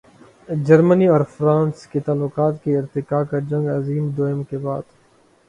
جرمنی اور فرانس کے تعلقات کے ارتقاء کا جنگ عظیم دوئم کے بعد۔